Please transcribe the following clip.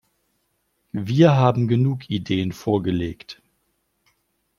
Wir haben genug Ideen vorgelegt.